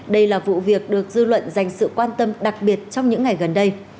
đây là vụ việc được dư luận dành sự quan tâm đặc biệt trong những ngày gần đây